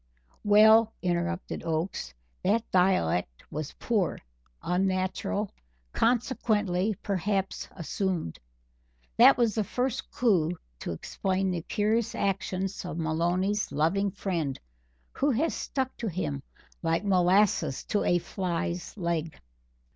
"Well," interrupted Oakes, "that dialect was poor unnatural, consequently perhaps assumed. That was the first clue to explain the curious actions of Maloney's loving friend, who has stuck to him like molasses to a fly's leg."